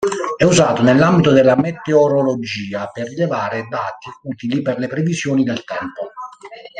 È usato nell'ambito della meteorologia per rilevare dati utili per le previsioni del tempo.